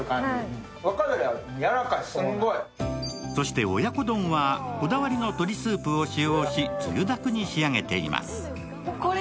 そして親子丼はこだわりの鶏スープを使用しつゆだくに仕上げています。